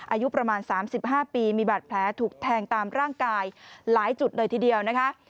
อายุประมาณ๓๕ปีมีบาดแผลถูกแทงตามร่างกายหลายจุดเลยทีเดียวนะคะ